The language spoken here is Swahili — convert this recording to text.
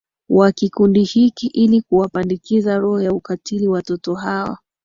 wa kikundi hiki ili kuwapandikizia roho ya ukatili watoto hawa